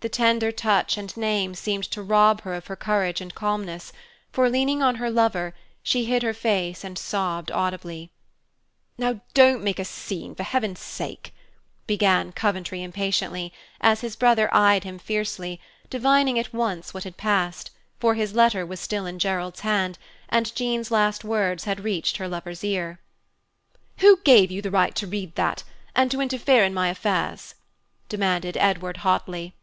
The tender touch and name seemed to rob her of her courage and calmness, for, leaning on her lover, she hid her face and sobbed audibly. "Now don't make a scene, for heaven's sake," began Coventry impatiently, as his brother eyed him fiercely, divining at once what had passed, for his letter was still in Gerald's hand and Jean's last words had reached her lover's ear. "Who gave you the right to read that, and to interfere in my affairs?" demanded Edward hotly.